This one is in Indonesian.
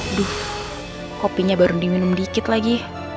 aduh kopinya baru diminum dikit lagi